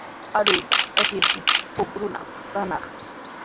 Aruyta ashirshi huk runaman traanaq.